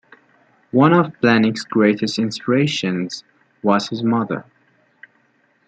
One of Blahnik's greatest inspirations was his mother.